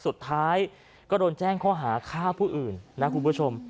สุดท้ายก็โดนแจ้งข้อหาฆ่าผู้อื่นนะคุณผู้ชม